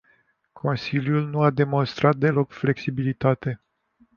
Consiliul nu a demostat deloc flexibilitate.